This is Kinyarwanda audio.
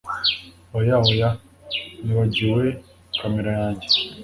Oya oya Nibagiwe kamera yanjye